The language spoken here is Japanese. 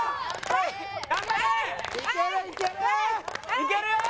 いけるよー！